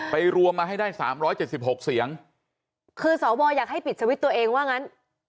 รวมมาให้ได้สามร้อยเจ็ดสิบหกเสียงคือสวอยากให้ปิดสวิตช์ตัวเองว่างั้น